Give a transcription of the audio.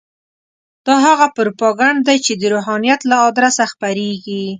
دا هغه پروپاګند دی چې د روحانیت له ادرسه خپرېږي.